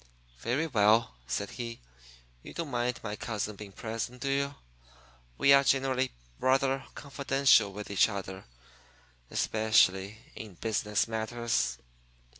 "Very well," said he. "You don't mind my cousin being present, do you? We are generally rather confidential with each other especially in business matters."